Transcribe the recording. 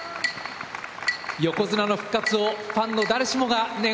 横綱の復活をファンの誰しもが願っています。